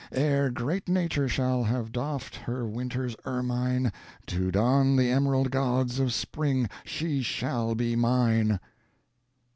Ere great Nature shall have doffed her winter's ermine to don the emerald gauds of spring, she shall be mine!"